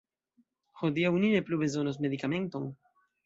Hodiaŭ ni ne plu bezonos medikamenton!